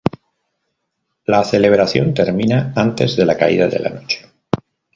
La celebración termina antes de la caída de la noche.